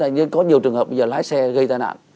nhưng có nhiều trường hợp bây giờ lái xe gây tai nạn